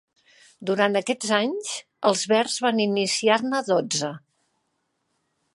Durant aquests anys, els verds van iniciar-ne dotze.